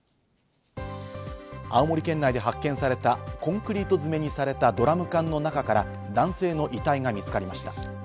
青森県内で発見されたコンクリート詰めにされたドラム缶の中から男性の遺体が見つかりました。